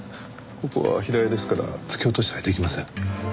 ここは平屋ですから突き落としたりできません。